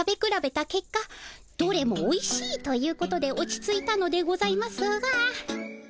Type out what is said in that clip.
どれもおいしいということで落ち着いたのでございますが。